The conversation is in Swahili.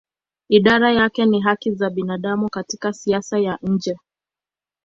Idara yake ni haki za binadamu katika siasa ya nje.